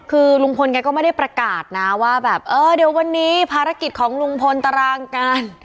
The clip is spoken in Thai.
คือลุงพลแกก็ไม่ได้ประกาศนะว่าแบบเออเดี๋ยววันนี้ภารกิจของลุงพลตารางการ